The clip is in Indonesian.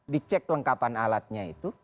di cek lengkapan alatnya itu